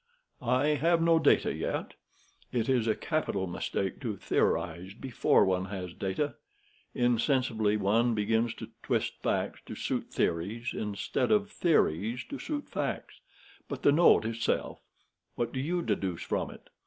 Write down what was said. "I have no data yet. It is a capital mistake to theorize before one has data. Insensibly one begins to twist facts to suit theories, instead of theories to suit facts. But the note itself—what do you deduce from it?"